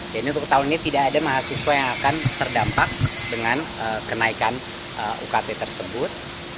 jadi untuk tahun ini tidak ada mahasiswa yang akan terdampak dengan kenaikan ukt tersebut